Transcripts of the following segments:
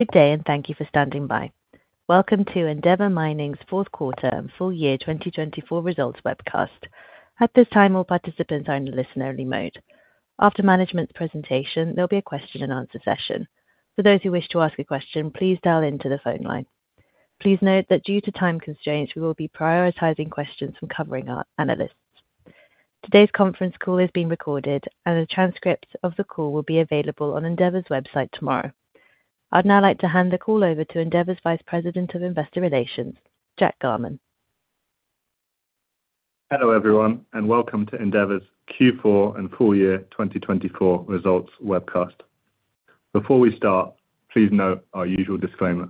Good day, and thank you for standing by. Welcome to Endeavour Mining's fourth quarter and full year 2024 results webcast. At this time, all participants are in listen-only mode. After management's presentation, there'll be a question-and-answer session. For those who wish to ask a question, please dial into the phone line. Please note that due to time constraints, we will be prioritizing questions from covering analysts. Today's conference call is being recorded, and the transcripts of the call will be available on Endeavour's website tomorrow. I'd now like to hand the call over to Endeavour's Vice President of Investor Relations, Jack Garman. Hello everyone, and welcome to Endeavour's Q4 and full year 2024 results webcast. Before we start, please note our usual disclaimer.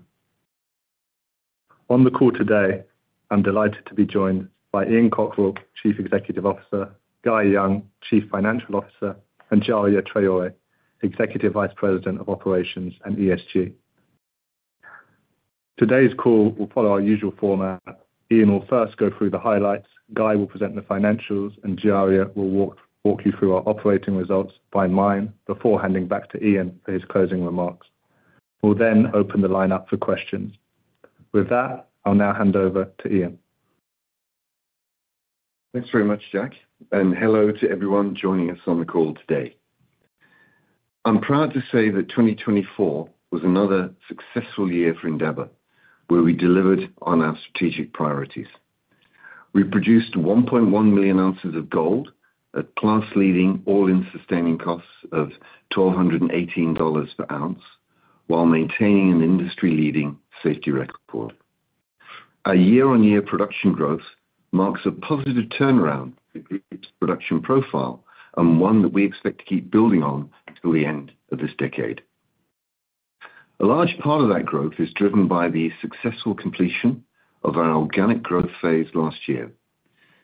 On the call today, I'm delighted to be joined by Ian Cockerill, Chief Executive Officer, Guy Young, Chief Financial Officer, and Djaria Traore, Executive Vice President of Operations and ESG. Today's call will follow our usual format. Ian will first go through the highlights, Guy will present the financials, and Djaria will walk you through our operating results by mine before handing back to Ian for his closing remarks. We'll then open the line up for questions. With that, I'll now hand over to Ian. Thanks very much, Jack, and hello to everyone joining us on the call today. I'm proud to say that 2024 was another successful year for Endeavour, where we delivered on our strategic priorities. We produced 1.1 million ounces of gold at class-leading all-in sustaining costs of $1,218 per ounce, while maintaining an industry-leading safety record. Our year-on-year production growth marks a positive turnaround in the group's production profile, and one that we expect to keep building on till the end of this decade. A large part of that growth is driven by the successful completion of our organic growth phase last year.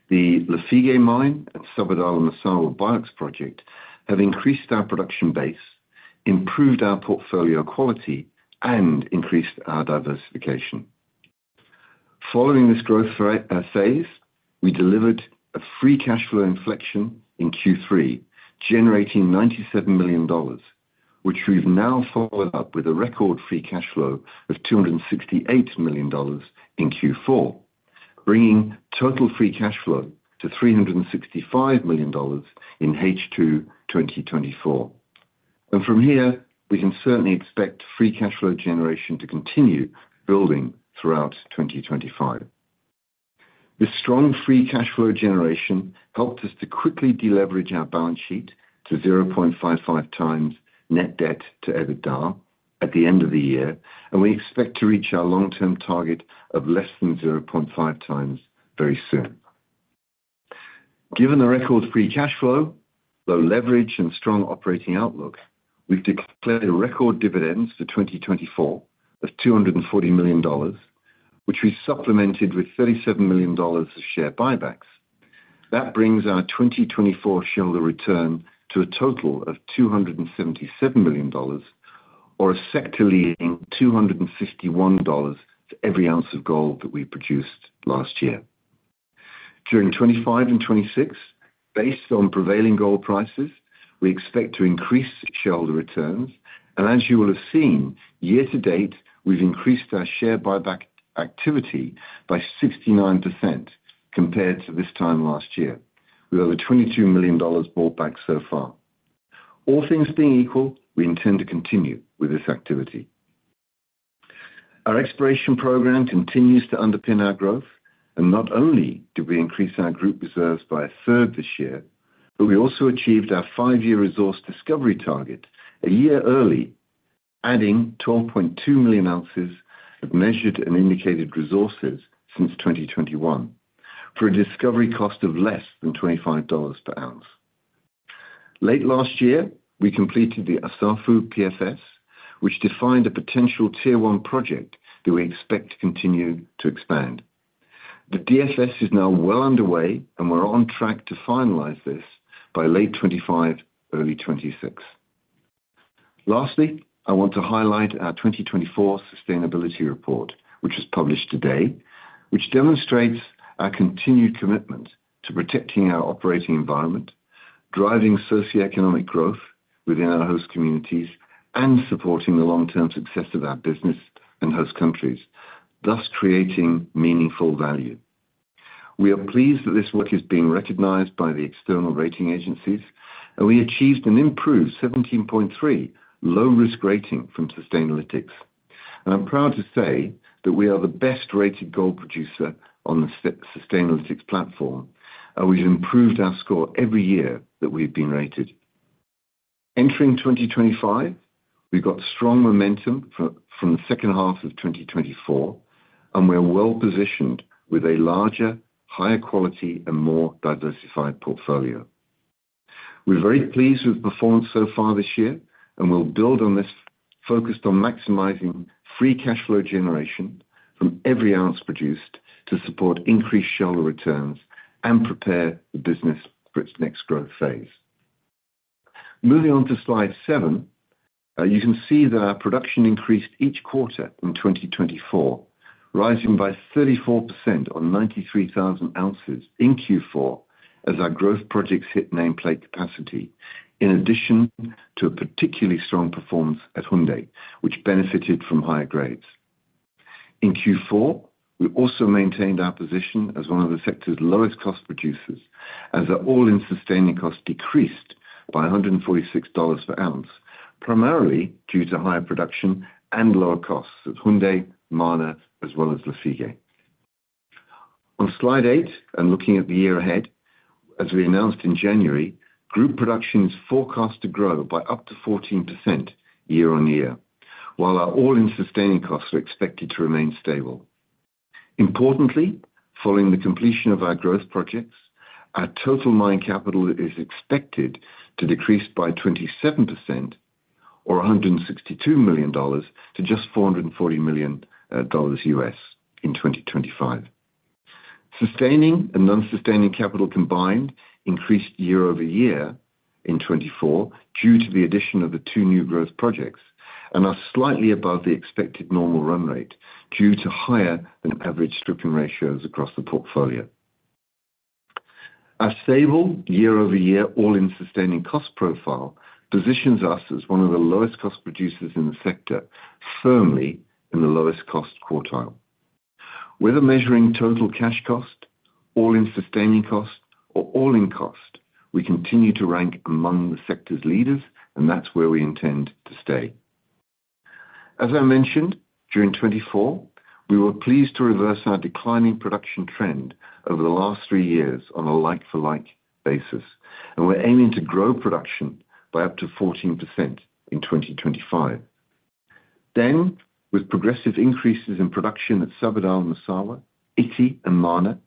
The Lafigué mine and Sabodala and Massawa BIOX project have increased our production base, improved our portfolio quality, and increased our diversification. Following this growth phase, we delivered a free cash flow inflection in Q3, generating $97 million, which we've now followed up with a record free cash flow of $268 million in Q4, bringing total free cash flow to $365 million in H2 2024, and from here, we can certainly expect free cash flow generation to continue building throughout 2025. This strong free cash flow generation helped us to quickly deleverage our balance sheet to 0.55 times net debt to EBITDA at the end of the year, and we expect to reach our long-term target of less than 0.5 times very soon. Given the record free cash flow, low leverage, and strong operating outlook, we've declared a record dividends for 2024 of $240 million, which we supplemented with $37 million of share buybacks. That brings our 2024 shareholder return to a total of $277 million, or a sector-leading $251 for every ounce of gold that we produced last year. During 2025 and 2026, based on prevailing gold prices, we expect to increase shareholder returns, and as you will have seen, year-to-date, we've increased our share buyback activity by 69% compared to this time last year, with over $22 million bought back so far. All things being equal, we intend to continue with this activity. Our exploration program continues to underpin our growth, and not only did we increase our group reserves by a third this year, but we also achieved our five-year resource discovery target a year early, adding 12.2 million ounces of measured and indicated resources since 2021, for a discovery cost of less than $25 per ounce. Late last year, we completed the Assafou PFS, which defined a potential tier one project that we expect to continue to expand. The DFS is now well underway, and we're on track to finalize this by late 2025, early 2026. Lastly, I want to highlight our 2024 sustainability report, which was published today, which demonstrates our continued commitment to protecting our operating environment, driving socioeconomic growth within our host communities, and supporting the long-term success of our business and host countries, thus creating meaningful value. We are pleased that this work is being recognized by the external rating agencies, and we achieved an improved 17.3 low-risk rating from Sustainalytics. I'm proud to say that we are the best rated gold producer on the Sustainalytics platform, and we've improved our score every year that we've been rated. Entering 2025, we've got strong momentum from the second half of 2024, and we're well positioned with a larger, higher quality, and more diversified portfolio. We're very pleased with the performance so far this year, and we'll build on this, focused on maximizing free cash flow generation from every ounce produced to support increased shareholder returns and prepare the business for its next growth phase. Moving on to slide 7, you can see that our production increased each quarter in 2024, rising by 34% on 93,000 ounces in Q4 as our growth projects hit nameplate capacity, in addition to a particularly strong performance at Houndé, which benefited from higher grades. In Q4, we also maintained our position as one of the sector's lowest cost producers, as our all-in sustaining cost decreased by $146 per ounce, primarily due to higher production and lower costs at Houndé, Mana, as well as Lafigué. On slide 8, and looking at the year ahead, as we announced in January, group production is forecast to grow by up to 14% year-on-year, while our all-in sustaining costs are expected to remain stable. Importantly, following the completion of our growth projects, our total mine capital is expected to decrease by 27%, or $162 million, to just $440 million in 2025. Sustaining and non-sustaining capital combined increased year-over-year in 2024 due to the addition of the two new growth projects, and are slightly above the expected normal run rate due to higher than average stripping ratios across the portfolio. Our stable year-over-year all-in sustaining cost profile positions us as one of the lowest cost producers in the sector, firmly in the lowest cost quartile. Whether measuring total cash cost, all-in sustaining cost, or all-in cost, we continue to rank among the sector's leaders, and that's where we intend to stay. As I mentioned, during 2024, we were pleased to reverse our declining production trend over the last three years on a like-for-like basis, and we're aiming to grow production by up to 14% in 2025. Then, with progressive increases in production at Sabodala, Massawa, Ity, and Mana,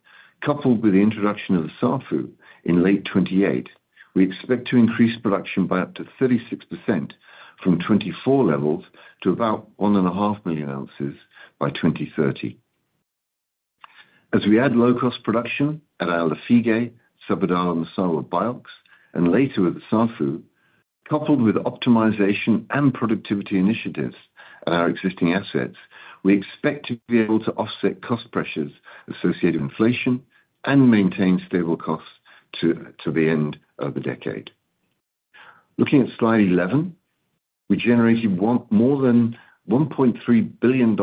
coupled with the introduction of Assafou in late 2028, we expect to increase production by up to 36% from 2024 levels to about 1.5 million ounces by 2030. As we add low-cost production at our Lafigué, Sabodala, and Massawa BIOX, and later with Assafou, coupled with optimization and productivity initiatives at our existing assets, we expect to be able to offset cost pressures associated with inflation and maintain stable costs to the end of the decade. Looking at slide 11, we generated more than $1.3 billion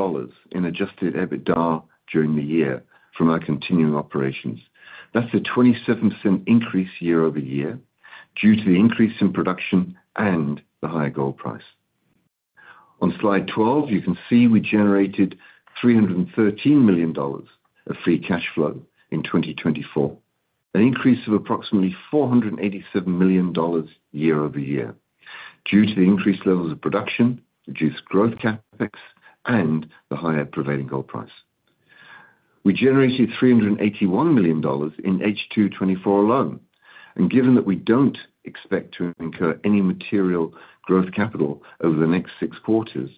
in adjusted EBITDA during the year from our continuing operations. That's a 27% increase year-over-year due to the increase in production and the higher gold price. On slide 12, you can see we generated $313 million of free cash flow in 2024, an increase of approximately $487 million year-over-year, due to the increased levels of production, reduced growth CapEx, and the higher prevailing gold price. We generated $381 million in H2 2024 alone, and given that we don't expect to incur any material growth capital over the next six quarters,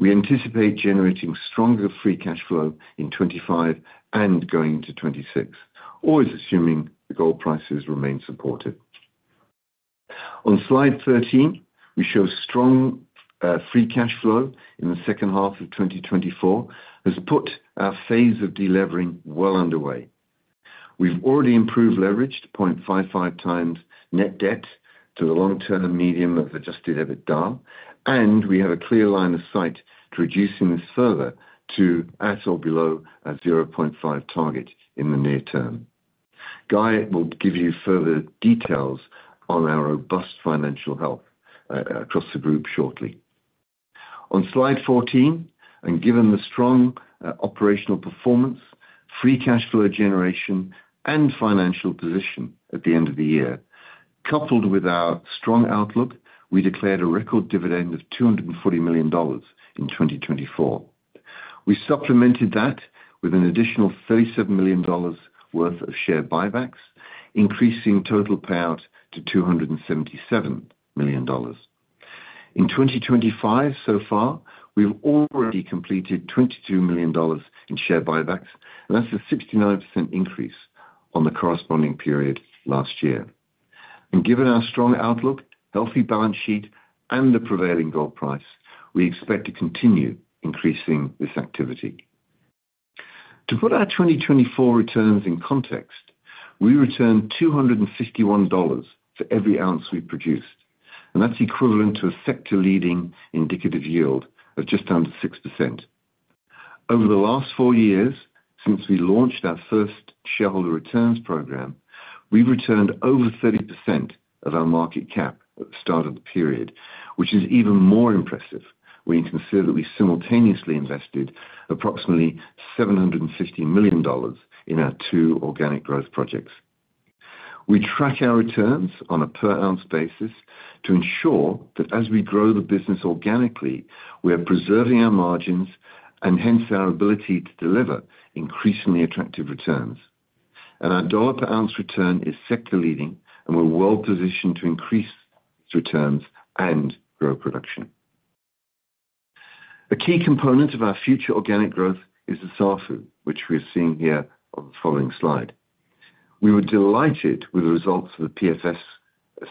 we anticipate generating stronger free cash flow in 2025 and going into 2026, always assuming the gold prices remain supportive. On slide 13, we show strong free cash flow in the second half of 2024 has put our phase of deleveraging well underway. We've already improved leverage to 0.55 times net debt to the long-term median of adjusted EBITDA, and we have a clear line of sight to reducing this further to at or below a 0.5 target in the near term. Guy will give you further details on our robust financial health across the group shortly. On slide 14, and given the strong operational performance, free cash flow generation, and financial position at the end of the year, coupled with our strong outlook, we declared a record dividend of $240 million in 2024. We supplemented that with an additional $37 million worth of share buybacks, increasing total payout to $277 million. In 2025, so far, we've already completed $22 million in share buybacks, and that's a 69% increase on the corresponding period last year. And given our strong outlook, healthy balance sheet, and the prevailing gold price, we expect to continue increasing this activity. To put our 2024 returns in context, we returned $251 for every ounce we produced, and that's equivalent to a sector-leading indicative yield of just under 6%. Over the last four years, since we launched our first shareholder returns program, we've returned over 30% of our market cap at the start of the period, which is even more impressive when you consider that we simultaneously invested approximately $750 million in our two organic growth projects. We track our returns on a per ounce basis to ensure that as we grow the business organically, we are preserving our margins and hence our ability to deliver increasingly attractive returns. And our dollar per ounce return is sector-leading, and we're well positioned to increase returns and grow production. A key component of our future organic growth is Assafou, which we are seeing here on the following slide. We were delighted with the results of the PFS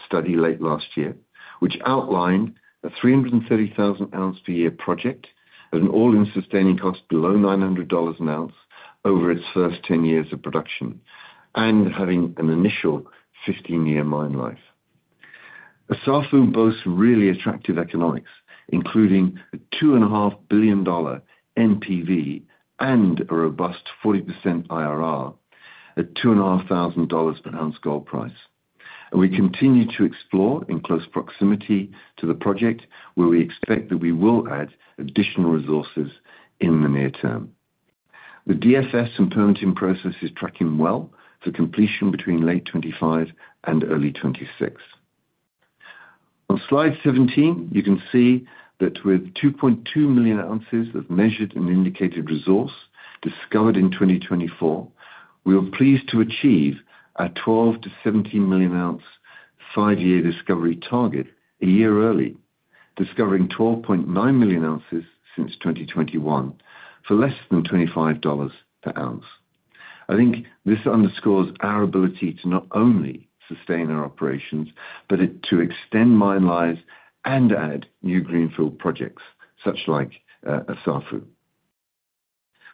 study late last year, which outlined a 330,000 ounce per year project at an all-in sustaining cost below $900 an ounce over its first 10 years of production, and having an initial 15-year mine life. Assafou boasts really attractive economics, including a $2.5 billion NPV and a robust 40% IRR at $2,500 per ounce gold price. We continue to explore in close proximity to the project, where we expect that we will add additional resources in the near term. The DFS and permitting process is tracking well for completion between late 2025 and early 2026. On slide 17, you can see that with 2.2 million ounces of measured and indicated resources discovered in 2024, we were pleased to achieve a 12-17 million ounces five-year discovery target a year early, discovering 12.9 million ounces since 2021 for less than $25 per ounce. I think this underscores our ability to not only sustain our operations, but to extend mine lives and add new greenfield projects such as Assafou.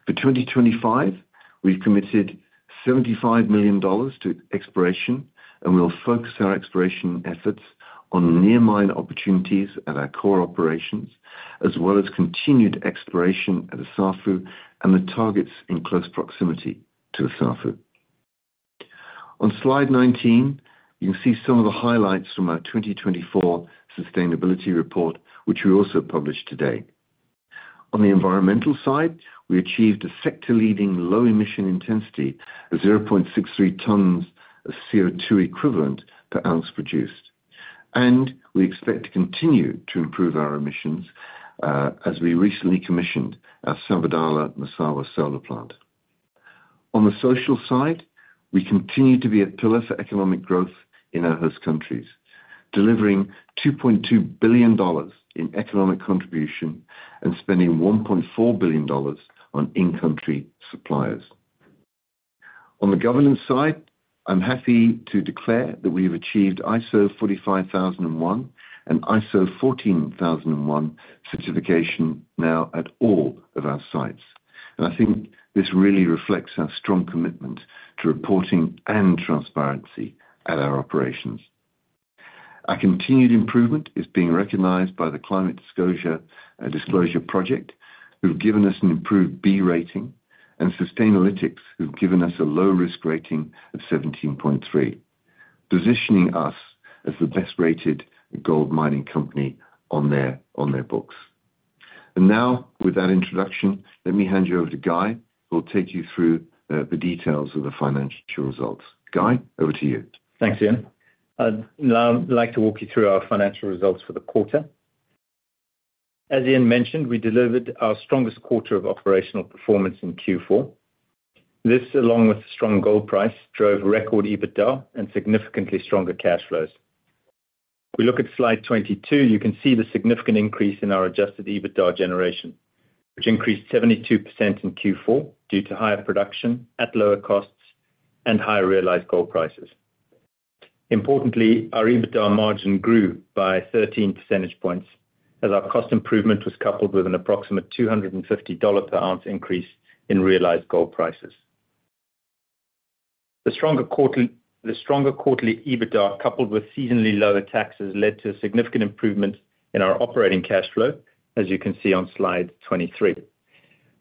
For 2025, we've committed $75 million to exploration, and we'll focus our exploration efforts on near-mine opportunities at our core operations, as well as continued exploration at Assafou and the targets in close proximity to Assafou. On slide 19, you can see some of the highlights from our 2024 sustainability report, which we also published today. On the environmental side, we achieved a sector-leading low emission intensity of 0.63 tons of CO2 equivalent per ounce produced, and we expect to continue to improve our emissions as we recently commissioned our Sabodala-Massawa solar plant. On the social side, we continue to be a pillar for economic growth in our host countries, delivering $2.2 billion in economic contribution and spending $1.4 billion on in-country suppliers. On the governance side, I'm happy to declare that we have achieved ISO 45001 and ISO 14001 certification now at all of our sites, and I think this really reflects our strong commitment to reporting and transparency at our operations. Our continued improvement is being recognized by the Carbon Disclosure Project, who've given us an improved B rating, and Sustainalytics, who've given us a low-risk rating of 17.3, positioning us as the best-rated gold mining company on their books. Now, with that introduction, let me hand you over to Guy, who'll take you through the details of the financial results. Guy, over to you. Thanks, Ian. I'd now like to walk you through our financial results for the quarter. As Ian mentioned, we delivered our strongest quarter of operational performance in Q4. This, along with a strong gold price, drove record EBITDA and significantly stronger cash flows. If we look at slide 22, you can see the significant increase in our adjusted EBITDA generation, which increased 72% in Q4 due to higher production at lower costs and higher realized gold prices. Importantly, our EBITDA margin grew by 13 percentage points as our cost improvement was coupled with an approximate $250 per ounce increase in realized gold prices. The stronger quarterly EBITDA, coupled with seasonally lower taxes, led to a significant improvement in our operating cash flow, as you can see on slide 23.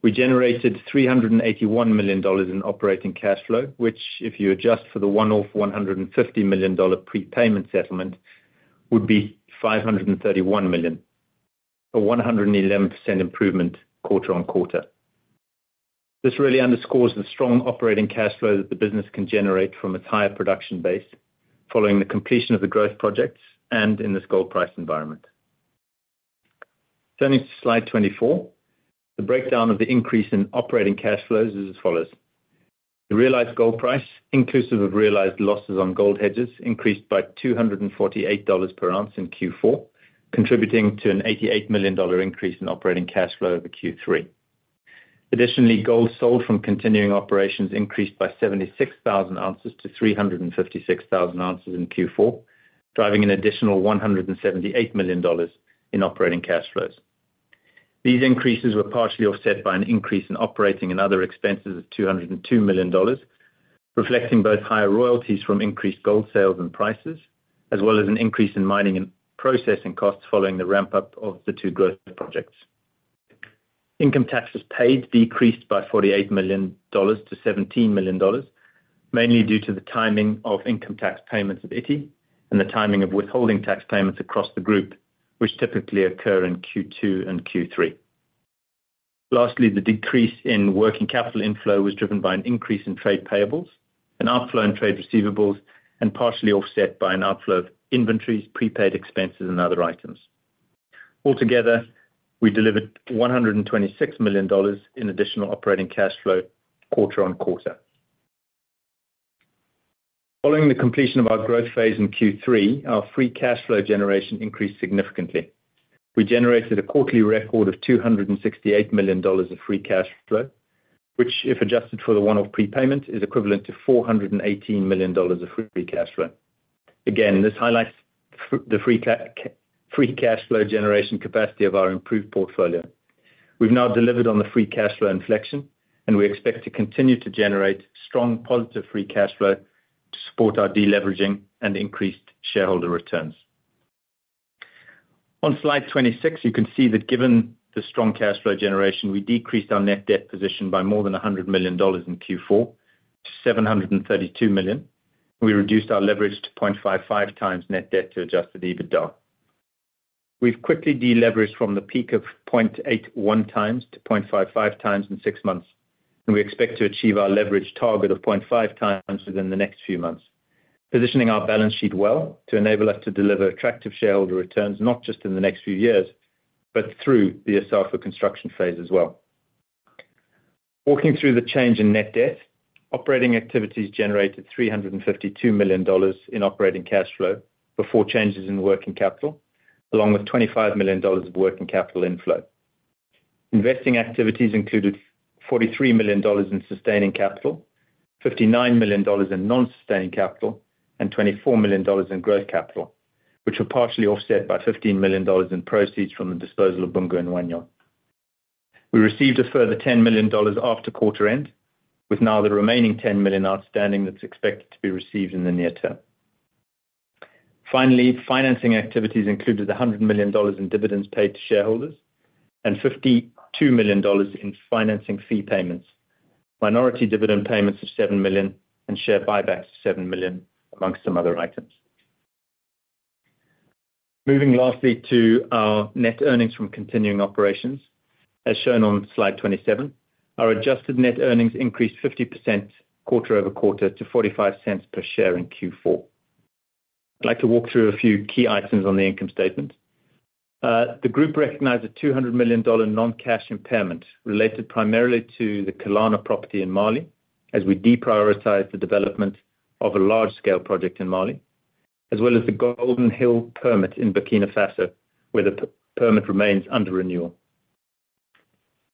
We generated $381 million in operating cash flow, which, if you adjust for the one-off $150 million prepayment settlement, would be $531 million, a 111% improvement quarter on quarter. This really underscores the strong operating cash flow that the business can generate from its higher production base following the completion of the growth projects and in this gold price environment. Turning to slide 24, the breakdown of the increase in operating cash flows is as follows. The realized gold price, inclusive of realized losses on gold hedges, increased by $248 per ounce in Q4, contributing to an $88 million increase in operating cash flow over Q3. Additionally, gold sold from continuing operations increased by 76,000 ounces to 356,000 ounces in Q4, driving an additional $178 million in operating cash flows. These increases were partially offset by an increase in operating and other expenses of $202 million, reflecting both higher royalties from increased gold sales and prices, as well as an increase in mining and processing costs following the ramp-up of the two growth projects. Income taxes paid decreased by $48 million to $17 million, mainly due to the timing of income tax payments at Ity and the timing of withholding tax payments across the group, which typically occur in Q2 and Q3. Lastly, the decrease in working capital inflow was driven by an increase in trade payables, an outflow in trade receivables, and partially offset by an outflow of inventories, prepaid expenses, and other items. Altogether, we delivered $126 million in additional operating cash flow quarter on quarter. Following the completion of our growth phase in Q3, our free cash flow generation increased significantly. We generated a quarterly record of $268 million of free cash flow, which, if adjusted for the one-off prepayment, is equivalent to $418 million of free cash flow. Again, this highlights the free cash flow generation capacity of our improved portfolio. We've now delivered on the free cash flow inflection, and we expect to continue to generate strong positive free cash flow to support our deleveraging and increased shareholder returns. On slide 26, you can see that given the strong cash flow generation, we decreased our net debt position by more than $100 million in Q4 to $732 million. We reduced our leverage to 0.55 times net debt to adjusted EBITDA. We've quickly deleveraged from the peak of 0.81 times to 0.55 times in six months, and we expect to achieve our leverage target of 0.5 times within the next few months, positioning our balance sheet well to enable us to deliver attractive shareholder returns not just in the next few years, but through the Assafou construction phase as well. Walking through the change in net debt, operating activities generated $352 million in operating cash flow before changes in working capital, along with $25 million of working capital inflow. Investing activities included $43 million in sustaining capital, $59 million in non-sustaining capital, and $24 million in growth capital, which were partially offset by $15 million in proceeds from the disposal of Boungou and Wahgnion. We received a further $10 million after quarter end, with now the remaining $10 million outstanding that's expected to be received in the near term. Finally, financing activities included $100 million in dividends paid to shareholders and $52 million in financing fee payments, minority dividend payments of $7 million, and share buybacks of $7 million, among some other items. Moving lastly to our net earnings from continuing operations, as shown on slide 27, our adjusted net earnings increased 50% quarter over quarter to $0.45 per share in Q4. I'd like to walk through a few key items on the income statement. The group recognized a $200 million non-cash impairment related primarily to the Kalana property in Mali, as we deprioritized the development of a large-scale project in Mali, as well as the Golden Hill permit in Burkina Faso, where the permit remains under renewal.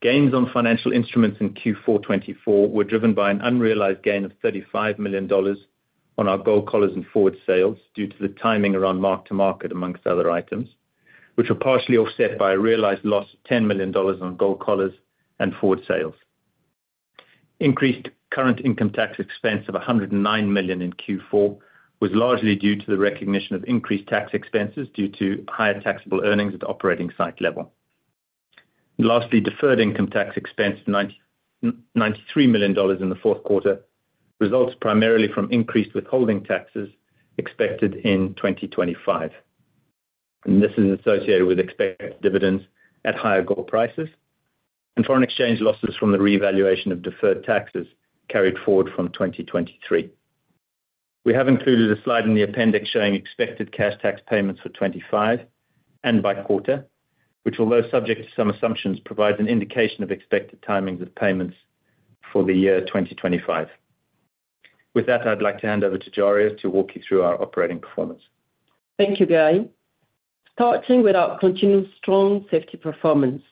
Gains on financial instruments in Q4/24 were driven by an unrealized gain of $35 million on our gold collars and forward sales due to the timing around mark-to-market, among other items, which were partially offset by a realized loss of $10 million on gold collars and forward sales. Increased current income tax expense of $109 million in Q4 was largely due to the recognition of increased tax expenses due to higher taxable earnings at operating site level. Lastly, deferred income tax expense of $93 million in the fourth quarter results primarily from increased withholding taxes expected in 2025, and this is associated with expected dividends at higher gold prices and foreign exchange losses from the revaluation of deferred taxes carried forward from 2023. We have included a slide in the appendix showing expected cash tax payments for 2025 and by quarter, which, although subject to some assumptions, provides an indication of expected timings of payments for the year 2025. With that, I'd like to hand over to Djaria to walk you through our operating performance. Thank you, Guy. Starting with our continued strong safety performance,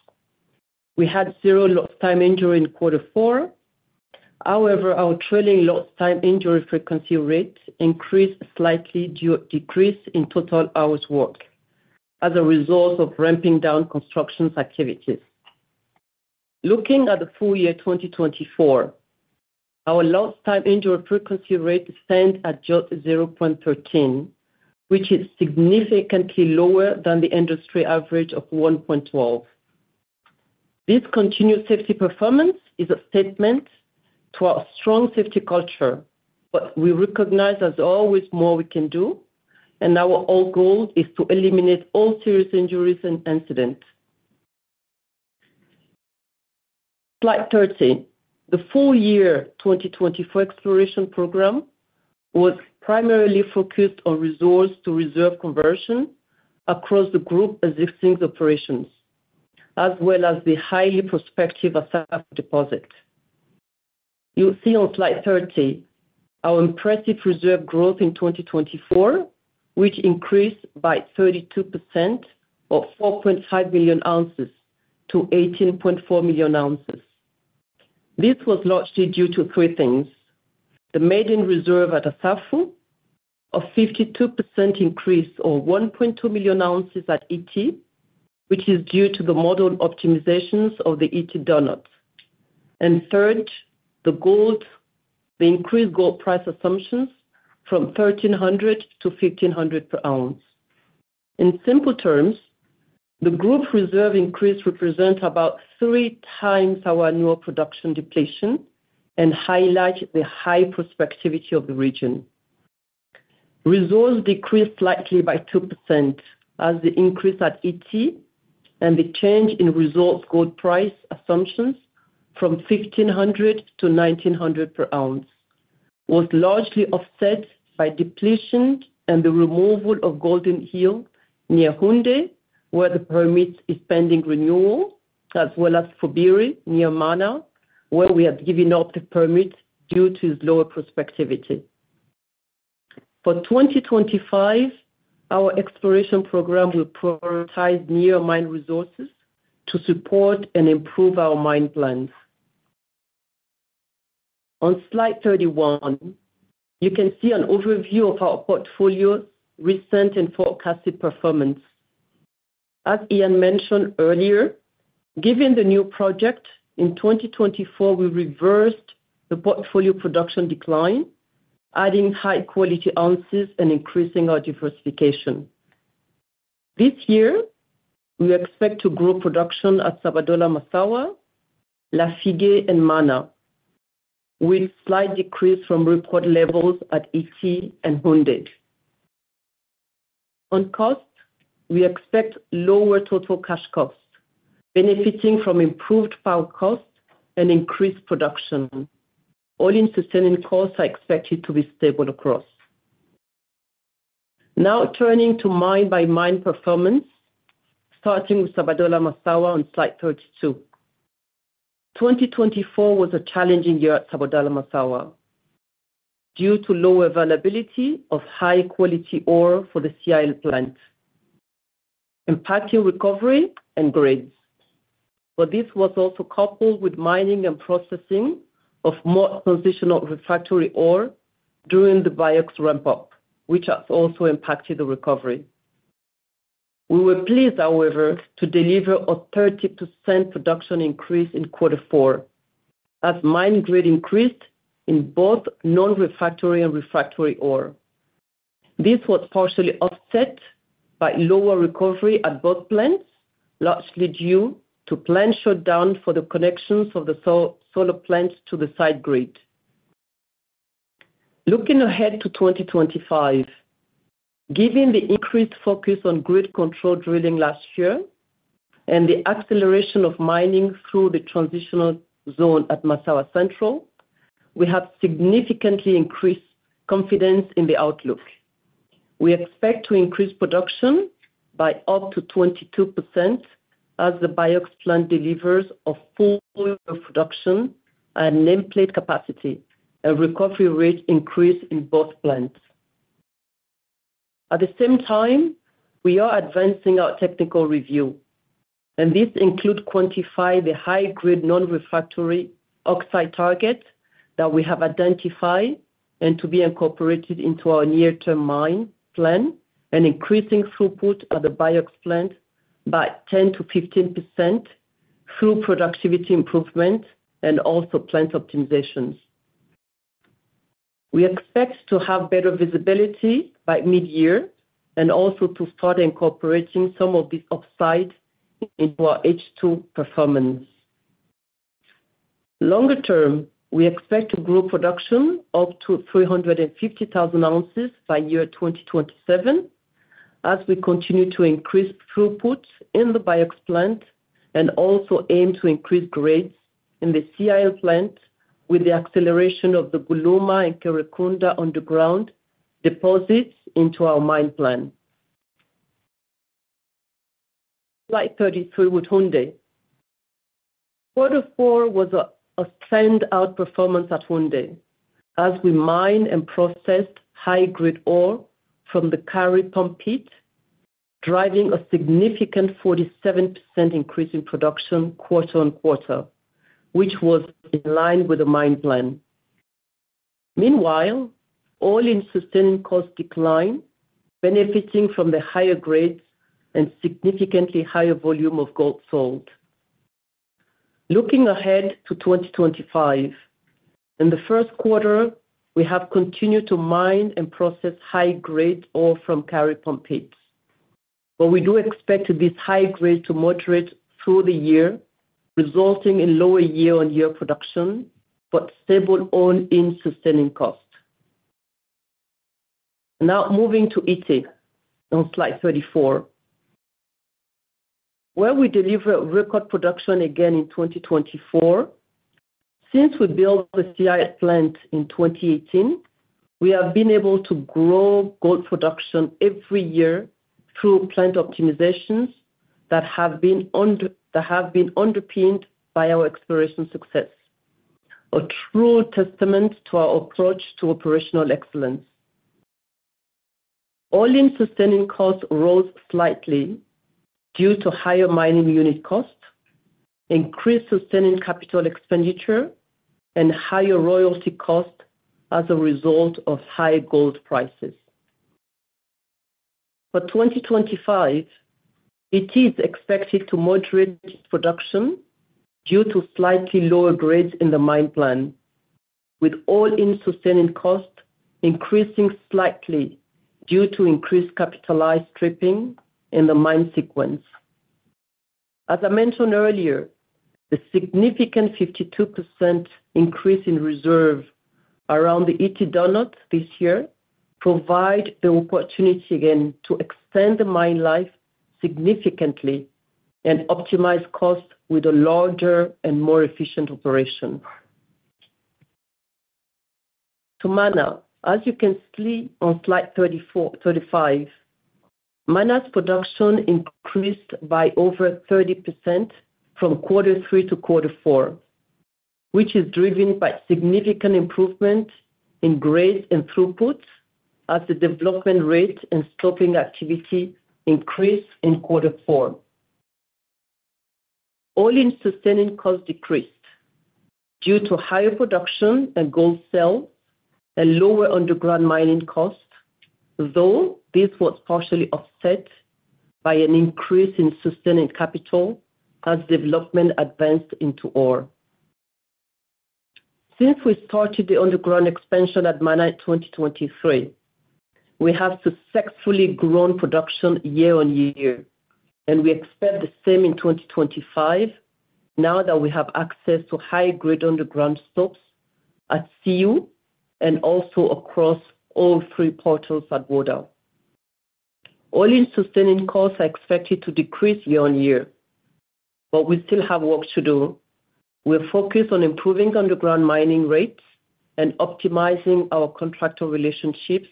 we had zero lost time injury in quarter four. However, our trailing lost time injury frequency rate increased slightly due to a decrease in total hours worked as a result of ramping down construction activities. Looking at the full year 2024, our lost time injury frequency rate stands at just 0.13, which is significantly lower than the industry average of 1.12. This continued safety performance is a testament to our strong safety culture, but we recognize, as always, there's more we can do, and our goal is to eliminate all serious injuries and incidents. Slide 30. The full year 2024 exploration program was primarily focused on resource to reserve conversion across the group's existing operations, as well as the highly prospective Assafou deposit. You'll see on Slide 30 our impressive reserve growth in 2024, which increased by 32% or 4.5 million ounces to 18.4 million ounces. This was largely due to three things: the maiden reserve at Assafou, 52% increase or 1.2 million ounces at Ity, which is due to the model optimizations of the Ity Donut, and third, the increased gold price assumptions from $1,300 to $1,500 per ounce. In simple terms, the group reserve increase represents about three times our annual production depletion and highlights the high prospectivity of the region. Resources decreased slightly by 2% as the increase at Ity and the change in resource gold price assumptions from $1,500-$1,900 per ounce was largely offset by depletion and the removal of Golden Hill near Houndé, where the permit is pending renewal, as well as Fobiri near Mana, where we have given up the permit due to its lower prospectivity. For 2025, our exploration program will prioritize near-mine resources to support and improve our mine plans. On slide 31, you can see an overview of our portfolio's recent and forecasted performance. As Ian mentioned earlier, given the new project in 2024, we reversed the portfolio production decline, adding high-quality ounces and increasing our diversification. This year, we expect to grow production at Sabodala-Massawa, Lafigué, and Mana, with a slight decrease from record levels at Ity and Houndé. On cost, we expect lower total cash costs, benefiting from improved power costs and increased production, all-in sustaining costs expected to be stable across. Now turning to mine-by-mine performance, starting with Sabodala-Massawa on slide 32. 2024 was a challenging year at Sabodala-Massawa due to low availability of high-quality ore for the CIL plant, impacting recovery and grades. But this was also coupled with mining and processing of more transitional refractory ore during the BIOX ramp-up, which has also impacted the recovery. We were pleased, however, to deliver a 30% production increase in quarter four as mine grade increased in both non-refractory and refractory ore. This was partially offset by lower recovery at both plants, largely due to plant shutdown for the connections of the solar plants to the grid. Looking ahead to 2025, given the increased focus on grid-controlled drilling last year and the acceleration of mining through the transitional zone at Massawa Central, we have significantly increased confidence in the outlook. We expect to increase production by up to 22% as the BIOX plant delivers a full production and nameplate capacity and recovery rate increase in both plants. At the same time, we are advancing our technical review, and this includes quantifying the high-grade non-refractory oxide target that we have identified and to be incorporated into our near-term mine plan and increasing throughput at the BIOX plant by 10%-15% through productivity improvement and also plant optimizations. We expect to have better visibility by mid-year and also to start incorporating some of these upsides into our H2 performance. Longer term, we expect to grow production up to 350,000 ounces by year 2027 as we continue to increase throughput in the BIOX plant and also aim to increase grades in the CIL plant with the acceleration of the Golouma and Kerekounda underground deposits into our mine plan. Slide 33 with Houndé. Quarter four was a standout performance at Houndé as we mined and processed high-grade ore from the Kari Pump pit, driving a significant 47% increase in production quarter on quarter, which was in line with the mine plan. Meanwhile, all-in sustaining costs declined, benefiting from the higher grades and significantly higher volume of gold sold. Looking ahead to 2025, in the first quarter, we have continued to mine and process high-grade ore from Kari Pump pit. But we do expect this high-grade to moderate through the year, resulting in lower year-on-year production but stable all-in sustaining costs. Now moving to Ity on slide 34, where we deliver record production again in 2024. Since we built the CIL plant in 2018, we have been able to grow gold production every year through plant optimizations that have been underpinned by our exploration success, a true testament to our approach to operational excellence. All-in sustaining costs rose slightly due to higher mining unit costs, increased sustaining capital expenditure, and higher royalty costs as a result of high gold prices. For 2025, it is expected to moderate production due to slightly lower grades in the mine plan, with all-in sustaining costs increasing slightly due to increased capitalized stripping in the mine sequence. As I mentioned earlier, the significant 52% increase in reserves around the Ity this year provides the opportunity again to extend the mine life significantly and optimize costs with a larger and more efficient operation. To Mana, as you can see on slide 35, Mana's production increased by over 30% from quarter three to quarter four, which is driven by significant improvement in grades and throughputs as the development rate and stoping activity increased in quarter four. All-in sustaining costs decreased due to higher production and gold sales and lower underground mining costs, though this was partially offset by an increase in sustaining capital as development advanced into ore. Since we started the underground expansion at Mana in 2023, we have successfully grown production year-on-year, and we expect the same in 2025 now that we have access to high-grade underground stops at Siou and also across all three portals at Wona. All-in sustaining costs are expected to decrease year-on-year, but we still have work to do. We're focused on improving underground mining rates and optimizing our contractor relationships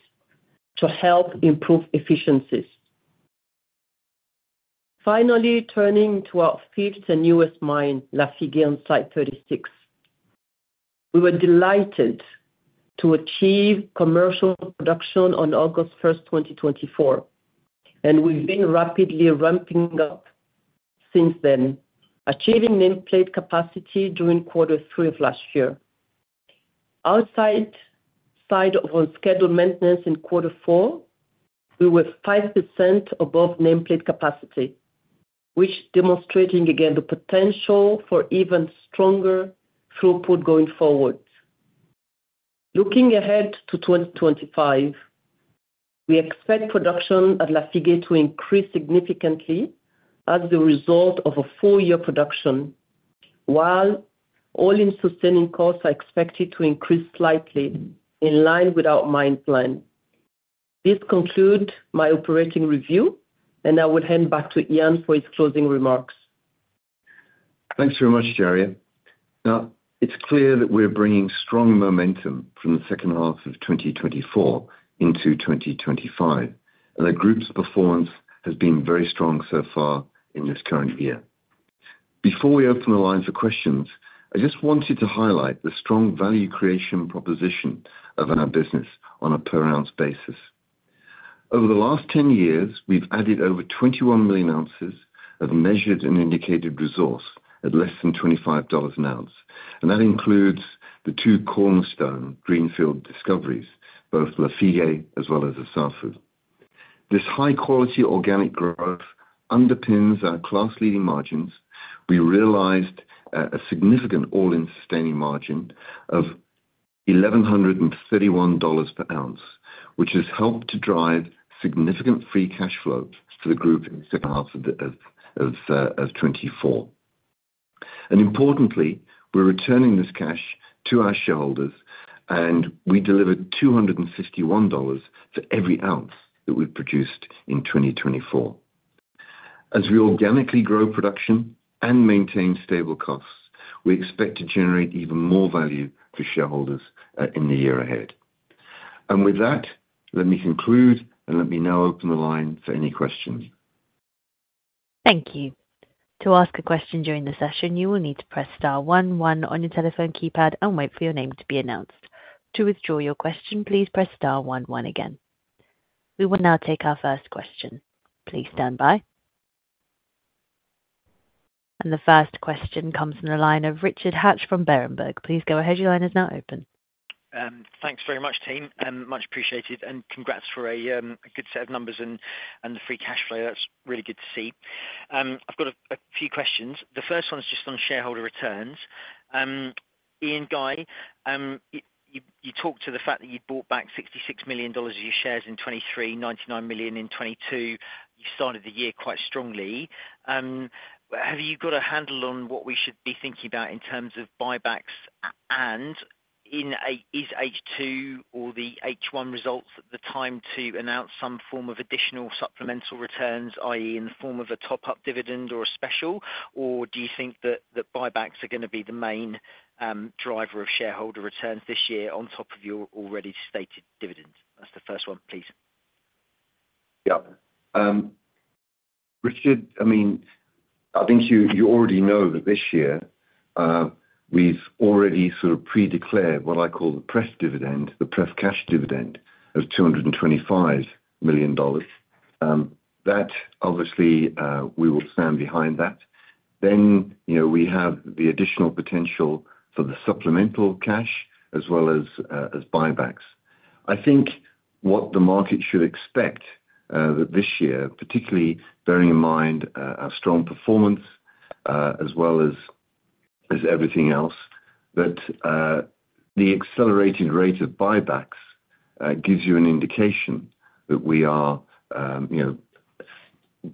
to help improve efficiencies. Finally, turning to our fifth and newest mine, Lafigué, on slide 36, we were delighted to achieve commercial production on August 1st, 2024, and we've been rapidly ramping up since then, achieving nameplate capacity during quarter three of last year. Outside of unscheduled maintenance in quarter four, we were 5% above nameplate capacity, which demonstrated again the potential for even stronger throughput going forward. Looking ahead to 2025, we expect production at Lafigué to increase significantly as the result of a full year production, while all-in sustaining costs are expected to increase slightly in line with our mine plan. This concludes my operating review, and I will hand back to Ian for his closing remarks. Thanks very much, Djaria. Now, it's clear that we're bringing strong momentum from the second half of 2024 into 2025, and the group's performance has been very strong so far in this current year. Before we open the line for questions, I just wanted to highlight the strong value creation proposition of our business on a per-ounce basis. Over the last 10 years, we've added over 21 million ounces of measured and indicated resource at less than $25 an ounce, and that includes the two cornerstone greenfield discoveries, both Lafigué as well as Assafou. This high-quality organic growth underpins our class-leading margins. We realized a significant all-in sustaining margin of $1,131 per ounce, which has helped to drive significant free cash flow to the group in the second half of 2024. And importantly, we're returning this cash to our shareholders, and we delivered $251 for every ounce that we've produced in 2024. As we organically grow production and maintain stable costs, we expect to generate even more value for shareholders in the year ahead. And with that, let me conclude, and let me now open the line for any questions. Thank you. To ask a question during the session, you will need to press star one-one on your telephone keypad and wait for your name to be announced. To withdraw your question, please press star one-one again. We will now take our first question. Please stand by. The first question comes from the line of Richard Hatch from Berenberg. Please go ahead. Your line is now open. Thanks very much, team. Much appreciated, and congrats for a good set of numbers and the free cash flow. That's really good to see. I've got a few questions. The first one is just on shareholder returns. Ian, Guy, you talked to the fact that you bought back $66 million of your shares in 2023, $99 million in 2022. You started the year quite strongly. Have you got a handle on what we should be thinking about in terms of buybacks? And is H2 or the H1 results the time to announce some form of additional supplemental returns, i.e., in the form of a top-up dividend or a special? Or do you think that buybacks are going to be the main driver of shareholder returns this year on top of your already stated dividend? That's the first one, please. Yeah. Richard, I mean, I think you already know that this year we've already sort of pre-declared what I call the pref dividend, the pref cash dividend of $225 million. That, obviously, we will stand behind that. Then we have the additional potential for the supplemental cash as well as buybacks. I think what the market should expect this year, particularly bearing in mind our strong performance as well as everything else, that the accelerated rate of buybacks gives you an indication that we are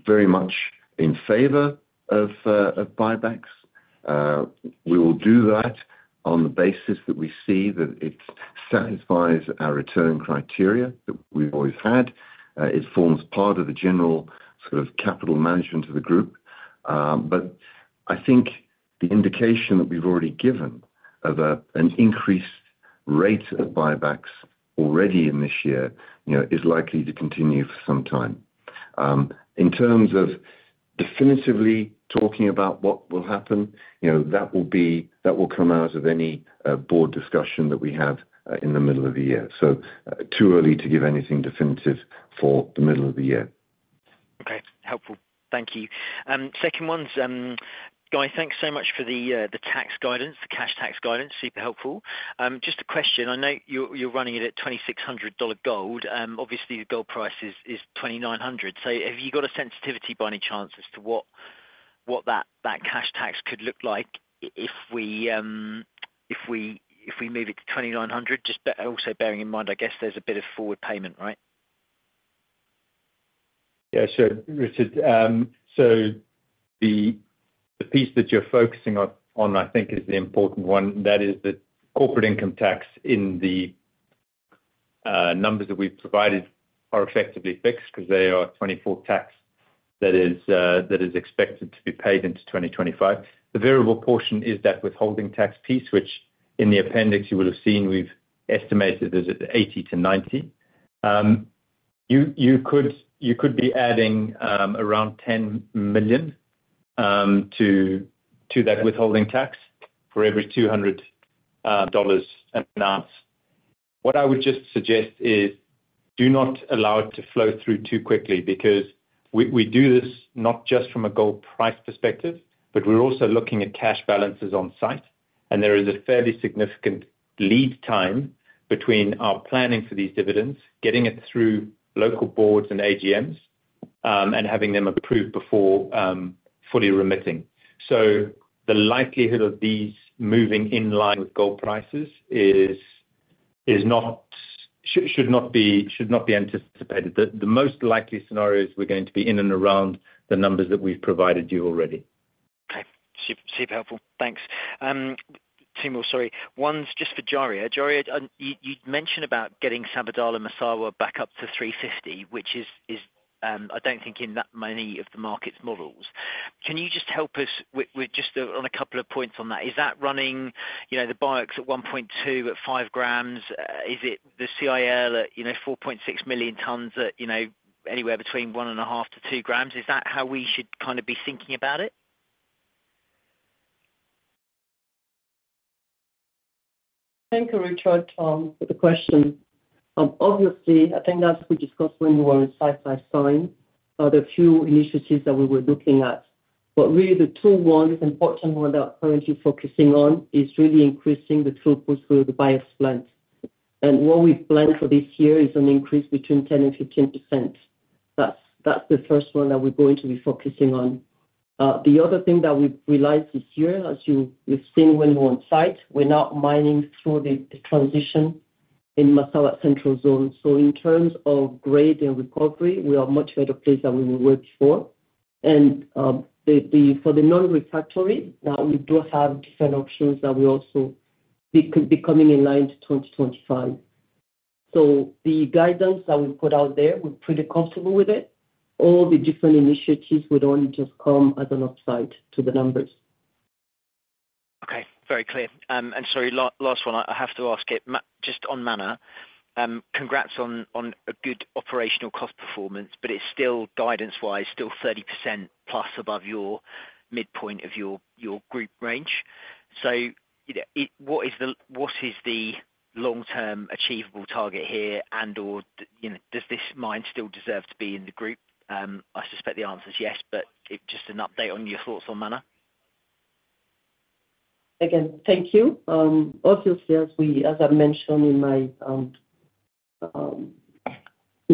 very much in favor of buybacks. We will do that on the basis that we see that it satisfies our return criteria that we've always had. It forms part of the general sort of capital management of the group. But I think the indication that we've already given of an increased rate of buybacks already in this year is likely to continue for some time. In terms of definitively talking about what will happen, that will come out of any board discussion that we have in the middle of the year. So too early to give anything definitive for the middle of the year. Okay. Helpful. Thank you. Second one's, Guy, thanks so much for the tax guidance, the cash tax guidance. Super helpful. Just a question. I know you're running it at $2,600 gold. Obviously, the gold price is $2,900. So have you got a sensitivity by any chance as to what that cash tax could look like if we move it to $2,900? Just also bearing in mind, I guess there's a bit of forward payment, right? Yeah, sure. Richard, so the piece that you're focusing on, I think, is the important one. That is the corporate income tax in the numbers that we've provided are effectively fixed because they are 24% tax that is expected to be paid into 2025. The variable portion is that withholding tax piece, which in the appendix you will have seen we've estimated is at 80%-90%. You could be adding around $10 million to that withholding tax for every $200 an ounce. What I would just suggest is do not allow it to flow through too quickly because we do this not just from a gold price perspective, but we're also looking at cash balances on site, and there is a fairly significant lead time between our planning for these dividends, getting it through local boards and AGMs, and having them approved before fully remitting. So the likelihood of these moving in line with gold prices should not be anticipated. The most likely scenario is we're going to be in and around the numbers that we've provided you already. Okay. Super helpful. Thanks. Two more, sorry. One's just for Djaria. Djaria, you'd mentioned about getting Sabodala and Massawa back up to 350, which is, I don't think, in that many of the market's models. Can you just help us with just on a couple of points on that? Is that running the BIOX at 1.2 at 5 grams? Is it the CIL at 4.6 million tonnes at anywhere between 1.5 to 2 grams? Is that how we should kind of be thinking about it? Thank you, Richard, for the question. Obviously, I think as we discussed when you were inside that mine, there are a few initiatives that we were looking at. But really, the two ones, the important one that we're currently focusing on is really increasing the throughput through the BIOX plant. And what we've planned for this year is an increase between 10% and 15%. That's the first one that we're going to be focusing on. The other thing that we've realised this year, as you've seen when you were on site, we're now mining through the transition in Massawa Central zone. So in terms of grade and recovery, we are much better placed than we were before. And for the non-refractory, now we do have different options that we're also coming online by 2025. So the guidance that we put out there, we're pretty comfortable with it. All the different initiatives would only just come as an upside to the numbers. Okay. Very clear. And sorry, last one. I have to ask it just on Mana. Congrats on a good operational cost performance, but it's still guidance-wise, still 30% plus above your midpoint of your group range. So what is the long-term achievable target here? And does this mine still deserve to be in the group? I suspect the answer is yes, but just an update on your thoughts on Mana. Again, thank you. Obviously, as I mentioned in my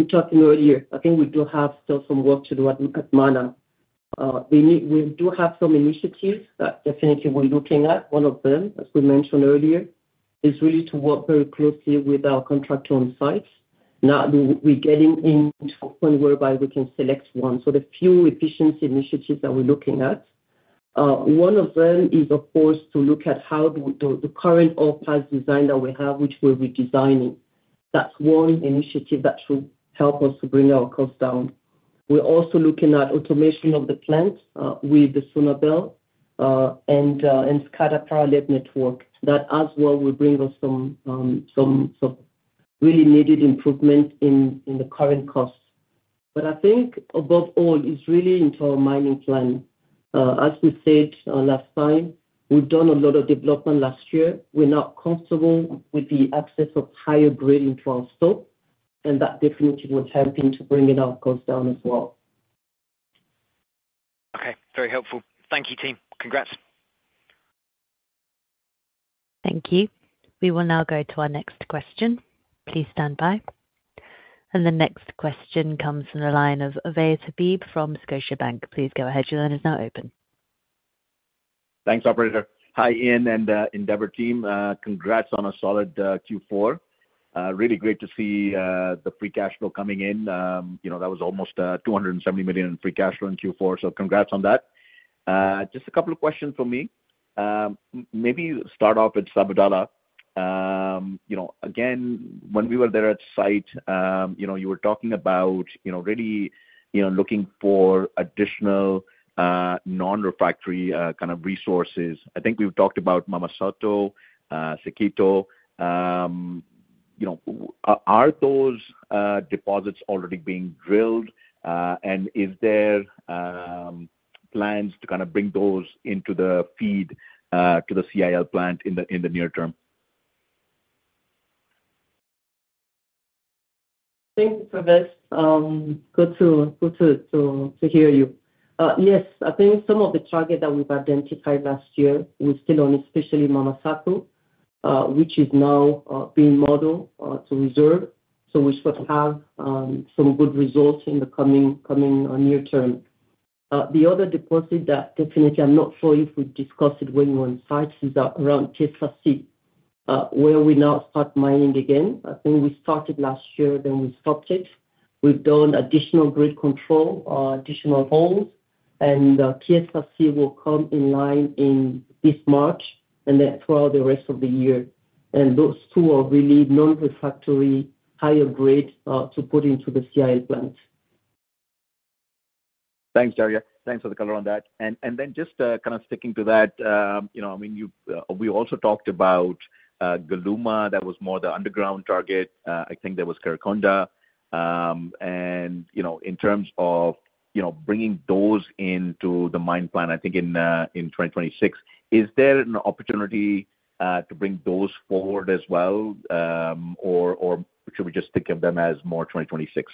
talking earlier, I think we do have still some work to do at Mana. We do have some initiatives that definitely we're looking at. One of them, as we mentioned earlier, is really to work very closely with our contractor on site. Now, we're getting into a point whereby we can select one. So there are a few efficiency initiatives that we're looking at. One of them is, of course, to look at how the current or past design that we have, which we're redesigning. That's one initiative that should help us to bring our costs down. We're also looking at automation of the plant with the Sonabel and SCADA parallel network. That as well will bring us some really needed improvement in the current costs. But I think above all is really into our mining plan. As we said last time, we've done a lot of development last year. We're not comfortable with the access of higher grade into our stope, and that definitely will help into bringing our costs down as well. Okay. Very helpful. Thank you, team. Congrats. Thank you. We will now go to our next question. Please stand by. The next question comes from the line of Ovais Habib from Scotiabank. Please go ahead. Your line is now open. Thanks, Operator. Hi, Ian and Endeavour team. Congrats on a solid Q4. Really great to see the free cash flow coming in. That was almost $270 million in free cash flow in Q4, so congrats on that. Just a couple of questions for me. Maybe start off with Sabodala. Again, when we were there at site, you were talking about really looking for additional non-refractory kind of resources. I think we've talked about Mamakono, Sekoto. Are those deposits already being drilled? And is there plans to kind of bring those into the feed to the CIL plant in the near term? Thank you for this. Good to hear you. Yes, I think some of the targets that we've identified last year were still on, especially Mamakono, which is now being modeled to reserve, so we should have some good results in the coming near term. The other deposit that definitely I'm not sure if we discussed it when we were on site is around Kerekounda, where we now start mining again. I think we started last year, then we stopped it. We've done additional grade control, additional holes, and Kerekounda will come in line in this March and then throughout the rest of the year. And those two are really non-refractory higher grade to put into the CIL plant. Thanks, Djaria. Thanks for the color on that. And then just kind of sticking to that, I mean, we also talked about Golouma. That was more the underground target. I think there was Kerekounda. And in terms of bringing those into the mine plan, I think in 2026, is there an opportunity to bring those forward as well, or should we just think of them as more 2026?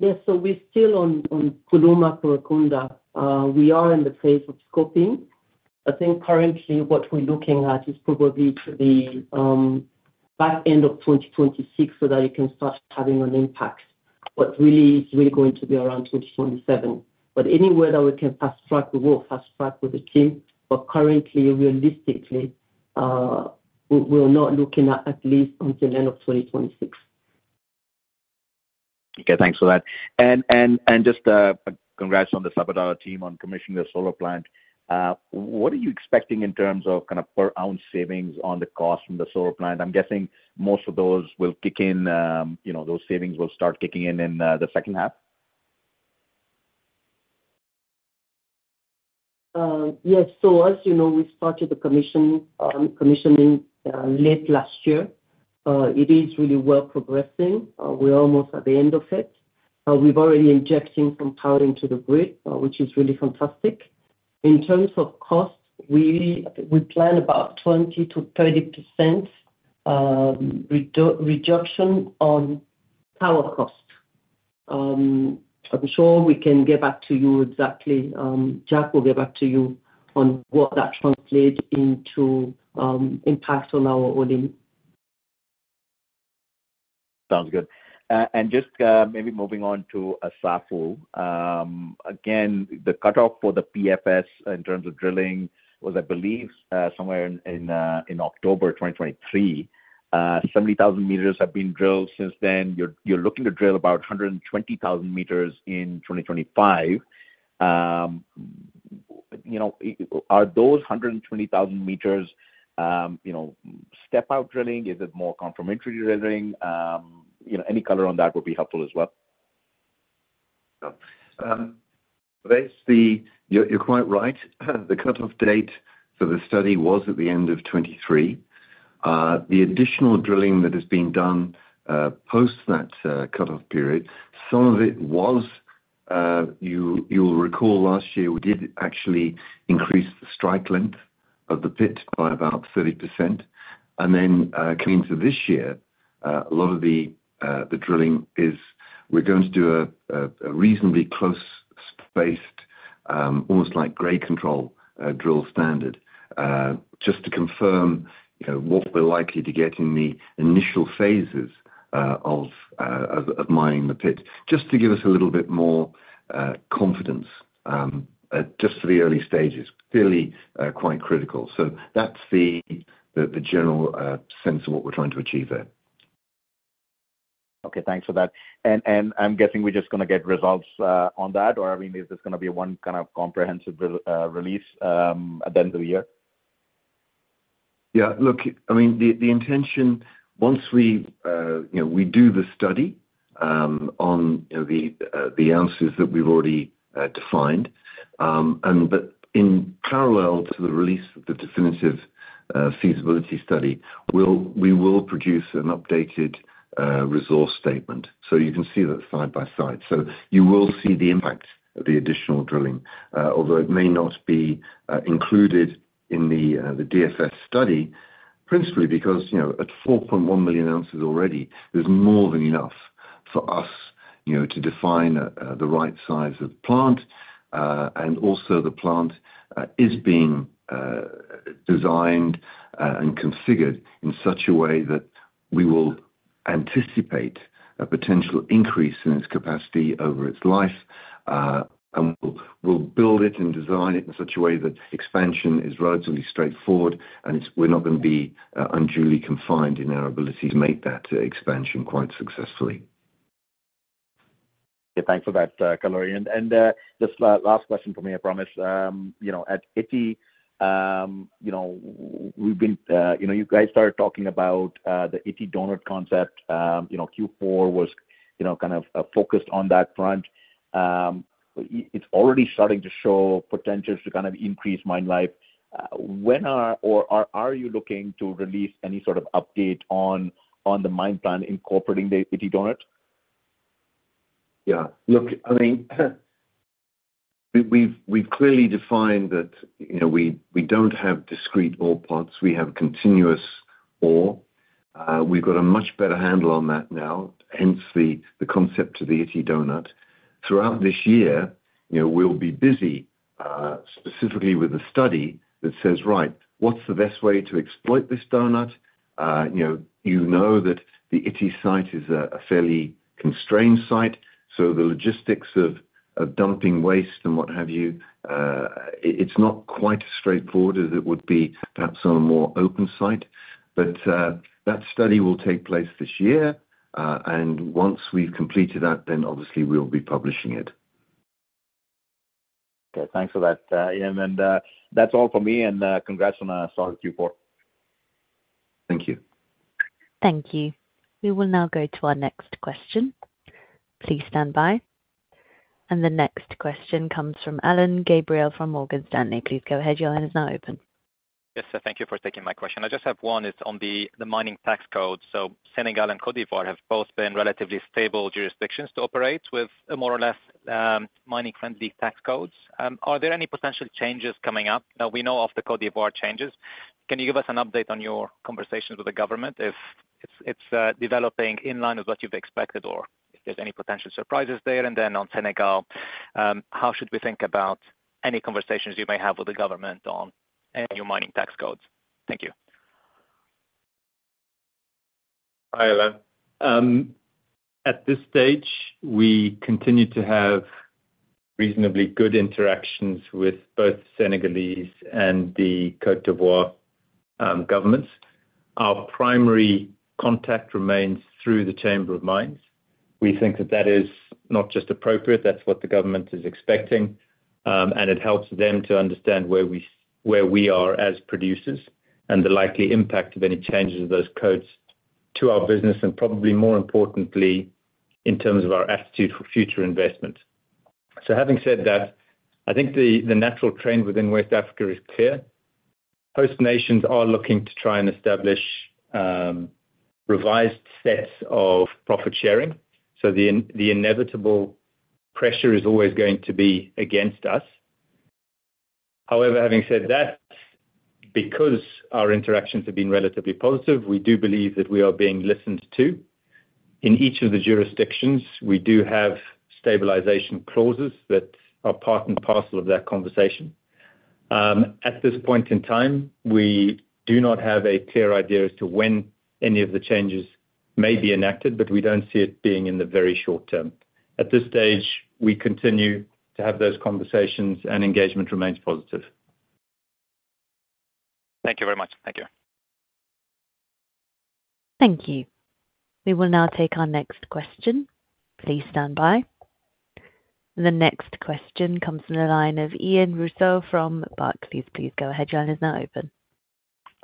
Yes. So we're still on Golouma, Kerekounda. We are in the phase of scoping. I think currently what we're looking at is probably to the back end of 2026 so that you can start having an impact. But really, it's really going to be around 2027. But anywhere that we can fast track, we will fast track with the team. But currently, realistically, we're not looking at least until end of 2026. Okay. Thanks for that and just a congrats on the Sabodala team on commissioning the solar plant. What are you expecting in terms of kind of per ounce savings on the cost from the solar plant? I'm guessing most of those will kick in. Those savings will start kicking in in the second half. Yes. So as you know, we started the commissioning late last year. It is really well progressing. We're almost at the end of it. We've already injected some power into the grid, which is really fantastic. In terms of cost, we plan about 20%-30% reduction on power cost. I'm sure we can get back to you exactly. Jack will get back to you on what that translates into impact on our all-in cost. Sounds good and just maybe moving on to Assafou. Again, the cutoff for the PFS in terms of drilling was, I believe, somewhere in October 2023. 70,000 meters have been drilled since then. You're looking to drill about 120,000 meters in 2025. Are those 120,000 meters step-out drilling? Is it more complementary drilling? Any color on that would be helpful as well. You're quite right. The cutoff date for the study was at the end of 2023. The additional drilling that has been done post that cutoff period, some of it was, you'll recall last year, we did actually increase the strike length of the pit by about 30%. And then coming into this year, a lot of the drilling is we're going to do a reasonably close spaced, almost like grade control drill standard, just to confirm what we're likely to get in the initial phases of mining the pit, just to give us a little bit more confidence just for the early stages. Clearly quite critical. So that's the general sense of what we're trying to achieve there. Okay. Thanks for that. And I'm guessing we're just going to get results on that, or I mean, is this going to be one kind of comprehensive release at the end of the year? Yeah. Look, I mean, the intention, once we do the study on the ounces that we've already defined, but in parallel to the release of the definitive feasibility study, we will produce an updated resource statement. So you can see that side by side. So you will see the impact of the additional drilling, although it may not be included in the DFS study, principally because at 4.1 million ounces already, there's more than enough for us to define the right size of the plant. And also the plant is being designed and configured in such a way that we will anticipate a potential increase in its capacity over its life. And we'll build it and design it in such a way that expansion is relatively straightforward, and we're not going to be unduly confined in our ability to make that expansion quite successfully. Yeah. Thanks for that, Djaria and Ian. And just last question for me, I promise. At Ity, when you guys started talking about the Ity Donut concept. Q4 was kind of focused on that front. It's already starting to show potential to kind of increase mine life. When are you looking to release any sort of update on the mine plan incorporating the Ity Donut? Yeah. Look, I mean, we've clearly defined that we don't have discrete ore bodies. We have continuous ore. We've got a much better handle on that now, hence the concept of the Ity Donut. Throughout this year, we'll be busy specifically with the study that says, "Right, what's the best way to exploit this Donut?" You know that the Ity site is a fairly constrained site, so the logistics of dumping waste and what have you, it's not quite as straightforward as it would be perhaps on a more open site. But that study will take place this year. Once we've completed that, then obviously we'll be publishing it. Okay. Thanks for that, Ian. That's all for me. Congrats on starting Q4. Thank you. Thank you. We will now go to our next question. Please stand by, and the next question comes from Alain Gabriel from Morgan Stanley. Please go ahead. Your line is now open. Yes, sir. Thank you for taking my question. I just have one. It's on the mining tax code. So Senegal and Côte d'Ivoire have both been relatively stable jurisdictions to operate with more or less mining-friendly tax codes. Are there any potential changes coming up? Now, we know of the Côte d'Ivoire changes. Can you give us an update on your conversations with the government if it's developing in line with what you've expected or if there's any potential surprises there? And then on Senegal, how should we think about any conversations you may have with the government on your mining tax codes? Thank you. Hi, Alain. At this stage, we continue to have reasonably good interactions with both the Senegalese and the Côte d'Ivoire governments. Our primary contact remains through the Chamber of Mines. We think that that is not just appropriate. That's what the government is expecting, and it helps them to understand where we are as producers and the likely impact of any changes of those codes to our business, and probably more importantly, in terms of our attitude for future investment. Having said that, I think the natural trend within West Africa is clear. Host nations are looking to try and establish revised sets of profit sharing. The inevitable pressure is always going to be against us. However, having said that, because our interactions have been relatively positive, we do believe that we are being listened to. In each of the jurisdictions, we do have stabilisation clauses that are part and parcel of that conversation. At this point in time, we do not have a clear idea as to when any of the changes may be enacted, but we don't see it being in the very short term. At this stage, we continue to have those conversations, and engagement remains positive. Thank you very much. Thank you. Thank you. We will now take our next question. Please stand by. The next question comes from the line of Ian Rossouw from Barclays. Please, go ahead. Your line is now open.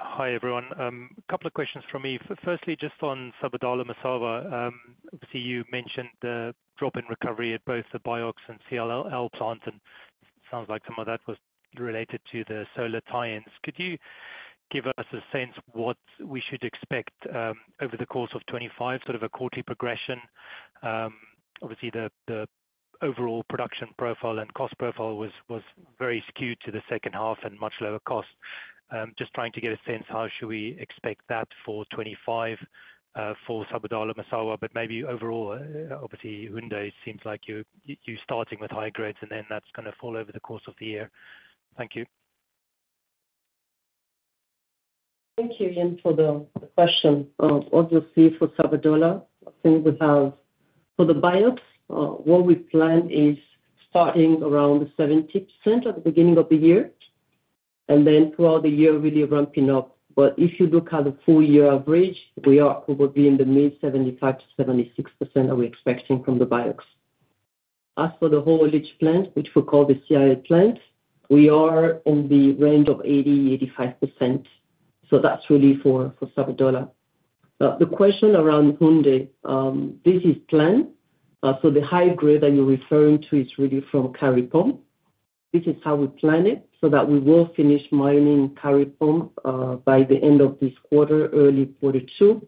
Hi, everyone. A couple of questions from me. Firstly, just on Sabodala-Massawa. Obviously, you mentioned the drop in recovery at both the BIOX and CIL plants, and it sounds like some of that was related to the solar tie-ins. Could you give us a sense of what we should expect over the course of 2025, sort of a quarterly progression? Obviously, the overall production profile and cost profile was very skewed to the second half and much lower cost. Just trying to get a sense, how should we expect that for 2025 for Sabodala-Massawa? But maybe overall, obviously, Houndé seems like you're starting with higher grades, and then that's going to fall over the course of the year. Thank you. Thank you, Ian, for the question. Obviously, for Sabodala, I think we have for the BIOX, what we plan is starting around 70% at the beginning of the year, and then throughout the year, really ramping up. But if you look at the full year average, we are probably in the mid-75% to 76% that we're expecting from the BIOX. As for the whole leach plant, which we call the CIL plant, we are in the range of 80%-85%. So that's really for Sabodala. The question around Houndé, this is planned. So the high grade that you're referring to is really from Kari Pump. This is how we plan it so that we will finish mining Kari Pump by the end of this quarter, early quarter two.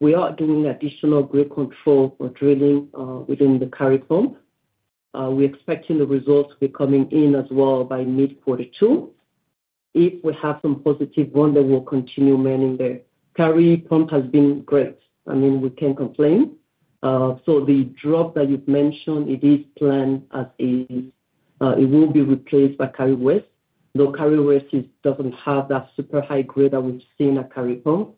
We are doing additional grade control for drilling within the Kari Pump. We're expecting the results to be coming in as well by mid-quarter two. If we have some positive one, then we'll continue mining there. Kari Pump has been great. I mean, we can't complain. So the drop that you've mentioned, it is planned as is. It will be replaced by Kari West. Though Kari West doesn't have that super high grade that we've seen at Kari Pump,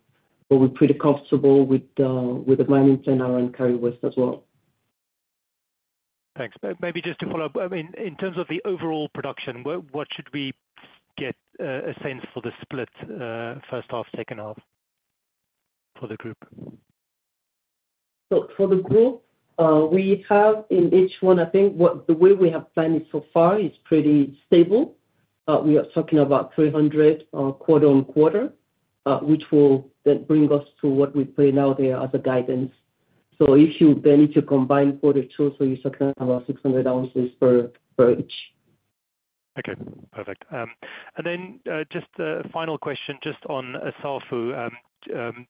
but we're pretty comfortable with the mining plan around Kari West as well. Thanks. Maybe just to follow up, in terms of the overall production, what should we get a sense for the split, first half, second half, for the group? So for the group, we have in each one, I think the way we have planned it so far is pretty stable. We are talking about 300 thousand quarter on quarter, which will then bring us to what we're putting out there as a guidance. So if you then need to combine the two quarters, so you're talking about 600 thousand ounces. Okay. Perfect. Then just a final question just on Assafou,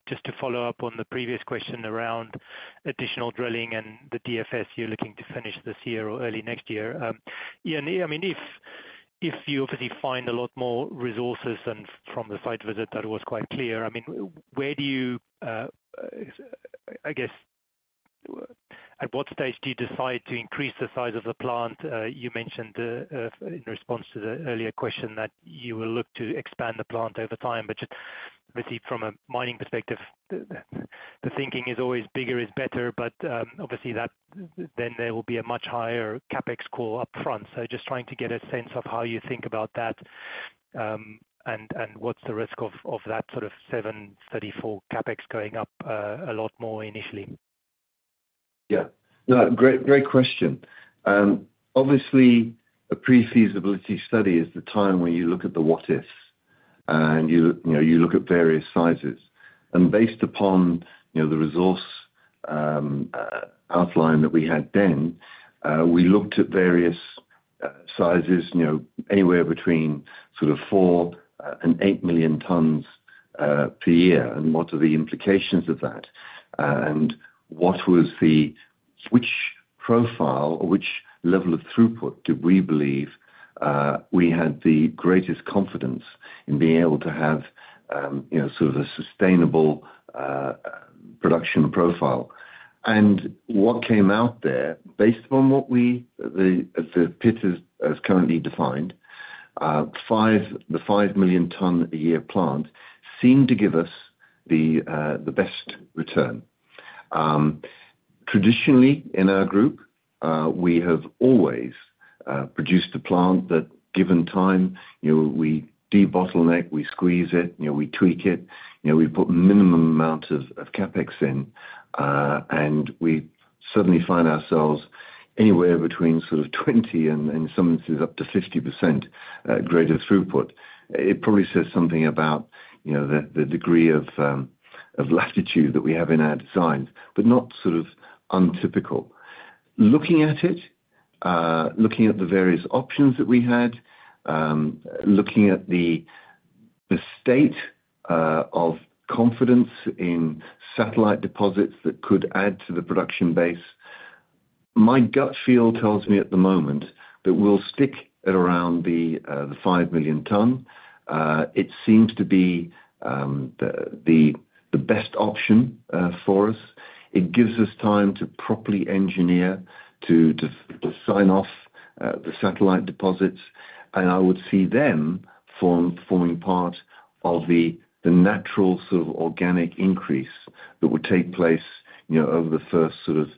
just to follow up on the previous question around additional drilling and the DFS you're looking to finish this year or early next year. Ian, I mean, if you obviously find a lot more resources from the site visit, that was quite clear. I mean, where do you, I guess, at what stage do you decide to increase the size of the plant? You mentioned in response to the earlier question that you will look to expand the plant over time. But just obviously, from a mining perspective, the thinking is always bigger is better, but obviously then there will be a much higher CapEx cost upfront. So just trying to get a sense of how you think about that and what's the risk of that sort of 734 CapEx going up a lot more initially. Yeah. Great question. Obviously, a pre-feasibility study is the time where you look at the what-ifs, and you look at various sizes. Based upon the resource outline that we had then, we looked at various sizes anywhere between sort of four and eight million tonnes per year. What are the implications of that? What was the profile or which level of throughput did we believe we had the greatest confidence in being able to have sort of a sustainable production profile? What came out there, based upon what the pit has currently defined, the five million-tonne-a-year plant seemed to give us the best return. Traditionally, in our group, we have always produced a plant that, given time, we debottleneck, we squeeze it, we tweak it, we put minimum amount of CapEx in, and we suddenly find ourselves anywhere between sort of 20% and in some instances up to 50% greater throughput. It probably says something about the degree of latitude that we have in our designs, but not sort of untypical. Looking at it, looking at the various options that we had, looking at the state of confidence in satellite deposits that could add to the production base, my gut feel tells me at the moment that we'll stick at around the five million tonne. It seems to be the best option for us. It gives us time to properly engineer, to sign off the satellite deposits, and I would see them forming part of the natural sort of organic increase that would take place over the first sort of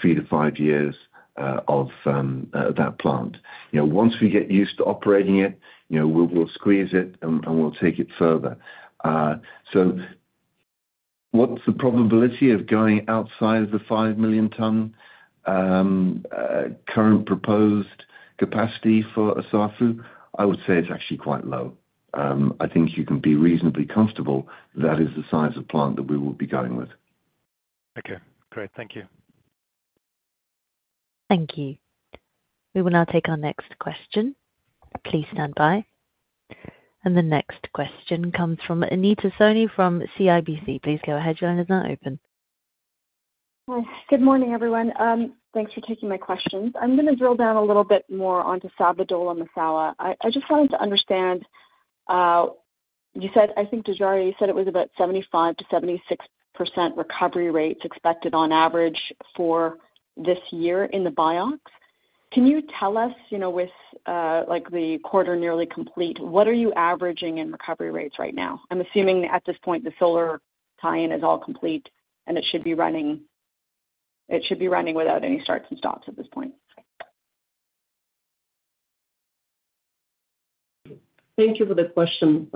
three to five years of that plant. Once we get used to operating it, we'll squeeze it, and we'll take it further. So what's the probability of going outside of the five million tonne current proposed capacity for Assafou? I would say it's actually quite low. I think you can be reasonably comfortable that is the size of plant that we will be going with. Okay. Great. Thank you. Thank you. We will now take our next question. Please stand by. And the next question comes from Anita Soni from CIBC. Please go ahead, your line is now open. Good morning, everyone. Thanks for taking my questions. I'm going to drill down a little bit more onto Sabodala-Massawa. I just wanted to understand. I think Djaria said it was about 75%-76% recovery rates expected on average for this year in the BIOX. Can you tell us, with the quarter nearly complete, what are you averaging in recovery rates right now? I'm assuming at this point, the solar tie-in is all complete, and it should be running without any starts and stops at this point. Thank you for the question.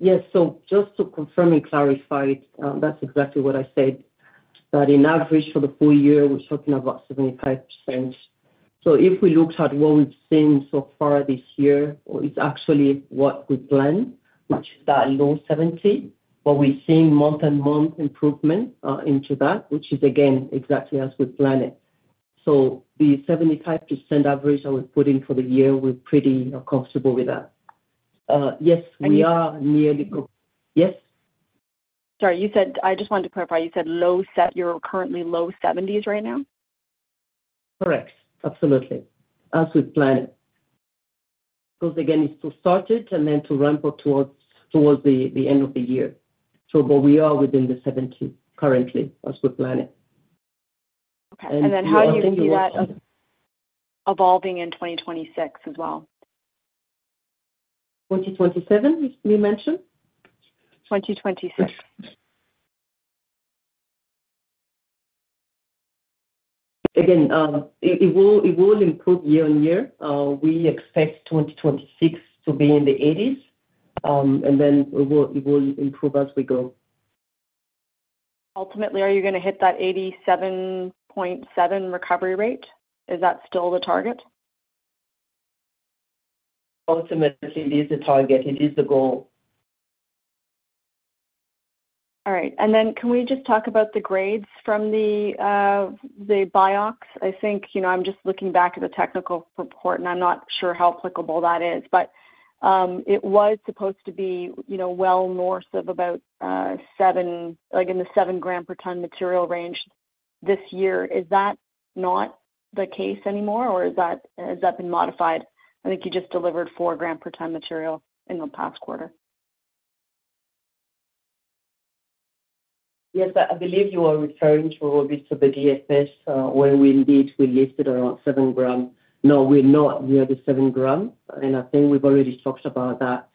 Yes. So just to confirm and clarify, that's exactly what I said. That in average for the full year, we're talking about 75%. So if we look at what we've seen so far this year, it's actually what we planned, which is that low 70s, but we're seeing month-on-month improvement into that, which is, again, exactly as we plan it. So the 75% average that we're putting for the year, we're pretty comfortable with that. Yes, we are nearly. Yes? Sorry. I just wanted to clarify. You said you're currently low 70s right now? Correct. Absolutely. As we plan it. Because, again, it's to start it and then to ramp up towards the end of the year. But we are within the 70 currently as we plan it. Okay. And then how do you see that evolving in 2026 as well? 2027, you mentioned? 2026. Again, it will improve year on year. We expect 2026 to be in the 80s, and then it will improve as we go. Ultimately, are you going to hit that 87.7% recovery rate? Is that still the target? Ultimately, it is the target. It is the goal. All right. And then can we just talk about the grades from the BIOX? I think I'm just looking back at the technical report, and I'm not sure how applicable that is. But it was supposed to be well north of about in the 7 grams per tonne material range this year. Is that not the case anymore, or has that been modified? I think you just delivered 4 grams per tonne material in the past quarter. Yes, I believe you are referring to a little bit to the DFS where we indeed were listed around 7 grams. No, we're not near the 7 grams. And I think we've already talked about that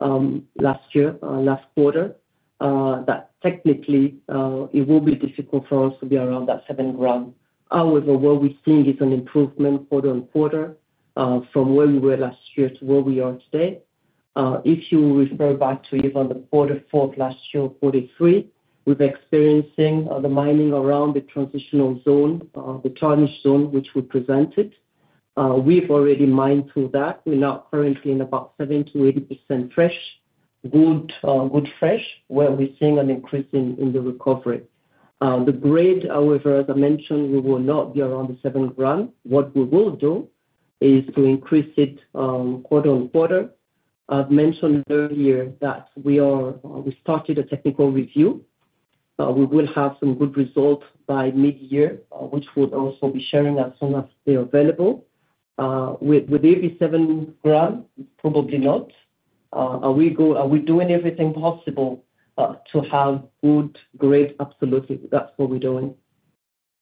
last year, last quarter, that technically it will be difficult for us to be around that 7 grams. However, what we're seeing is an improvement quarter-on-quarter from where we were last year to where we are today. If you refer back to even the fourth quarter last year, quarter three, we've experiencing the mining around the transitional zone, the transitional zone, which we presented. We've already mined through that. We're now currently in about 70%-80% fresh, good fresh, where we're seeing an increase in the recovery. The grade, however, as I mentioned, we will not be around the 7 gram. What we will do is to increase it quarter-on-quarter. I've mentioned earlier that we started a technical review. We will have some good results by mid-year, which we'll also be sharing as soon as they're available. With every 7 gram, probably not. Are we doing everything possible to have good grade? Absolutely. That's what we're doing.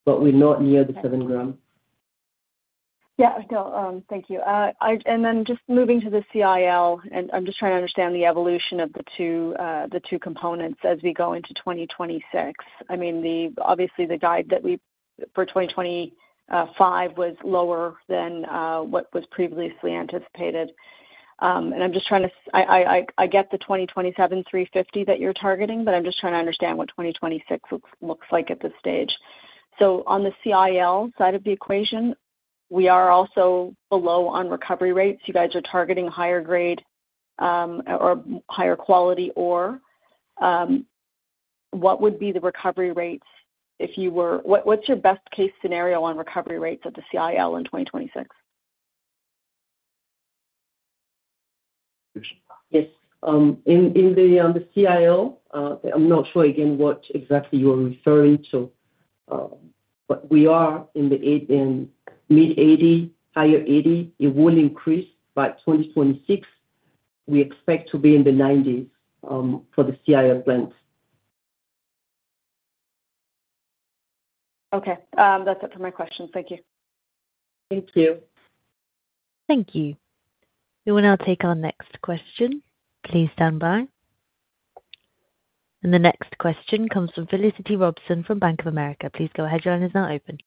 But we're not near the 7 gram. Yeah. No, thank you. And then just moving to the CIL, and I'm just trying to understand the evolution of the two components as we go into 2026. I mean, obviously, the guide for 2025 was lower than what was previously anticipated. And I'm just trying to. I get the 2027 350 that you're targeting, but I'm just trying to understand what 2026 looks like at this stage. So on the CIL side of the equation, we are also below on recovery rates. You guys are targeting higher grade or higher quality ore. What would be the recovery rates if you were? What's your best-case scenario on recovery rates at the CIL in 2026? Yes. In the CIL, I'm not sure again what exactly you are referring to, but we are in the mid-80%, higher 80%. It will increase. By 2026, we expect to be in the 90s% for the CIL plant. Okay. That's it for my questions. Thank you. Thank you. Thank you. We will now take our next question. Please stand by. And the next question comes from Felicity Robson from Bank of America. Please go ahead. Your line is now open.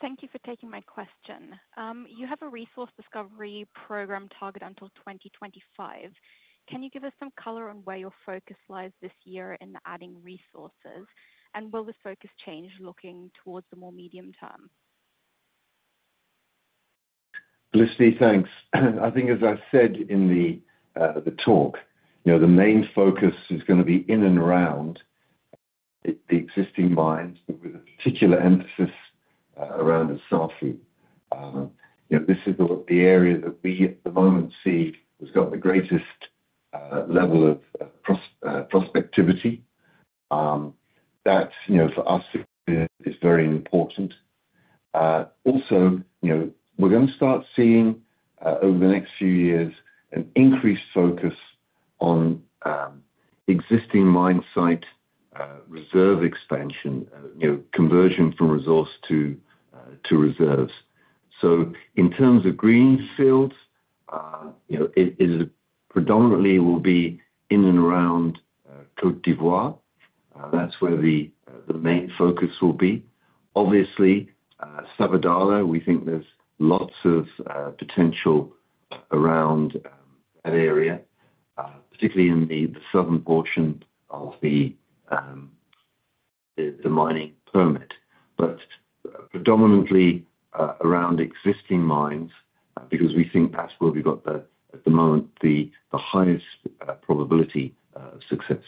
Thank you for taking my question. You have a resource discovery program target until 2025. Can you give us some color on where your focus lies this year in adding resources, and will this focus change looking towards the more medium term? Felicity, thanks. I think, as I said in the talk, the main focus is going to be in and around the existing mines, with a particular emphasis around Assafou. This is the area that we at the moment see has got the greatest level of prospectivity. That for us is very important. Also, we're going to start seeing over the next few years an increased focus on existing mine site reserve expansion, conversion from resource to reserves. So in terms of greenfields, it predominantly will be in and around Côte d'Ivoire. That's where the main focus will be. Obviously, Sabodala, we think there's lots of potential around that area, particularly in the southern portion of the mining permit. But predominantly around existing mines, because we think that's where we've got at the moment the highest probability of success.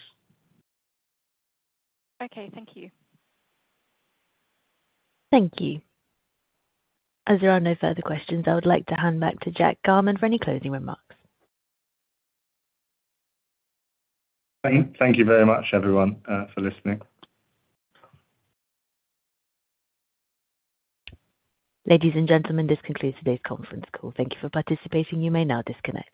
Okay. Thank you. Thank you. As there are no further questions, I would like to hand back to Jack Garman for any closing remarks. Thank you very much, everyone, for listening. Ladies and gentlemen, this concludes today's conference call. Thank you for participating. You may now disconnect.